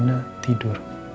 dan sebelum rena tidur